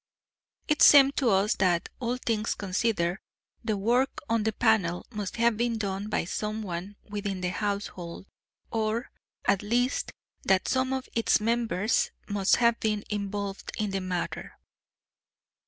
It seemed to us that, all things considered, the work on the panel must have been done by someone within the household, or, at least, that some of its members must have been involved in the matter.